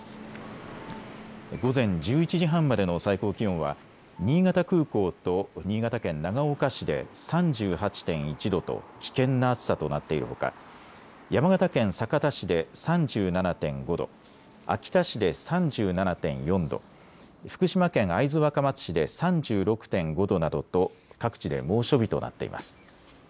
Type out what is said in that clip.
午前１１時半までの最高気温は新潟空港と新潟県長岡市で３８．１度と危険な暑さとなっているほか、山形県酒田市で３７．５度、秋田市で３７．４度、福島県会津若松市で３６．５度などと各地で猛暑日となっています。